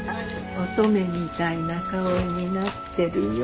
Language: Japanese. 乙女みたいな顔になってるよ。